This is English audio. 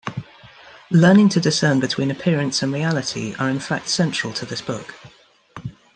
Learning to discern between appearance and reality are in fact central to this book.